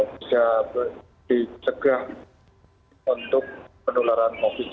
bisa dicegah untuk penularan covid sembilan belas